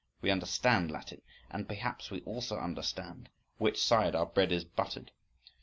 We understand Latin, and perhaps we also understand which side our bread is buttered.